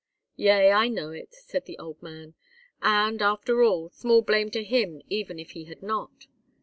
"Yea, I know it," said the old man; "and, after all, small blame to him even if he had not.